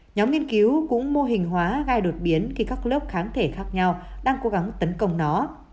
nhóm nghiên cứu cũng mô hình hóa gai đột biến khi các lớp kháng thể khác nhau đang cố gắng tấn công nó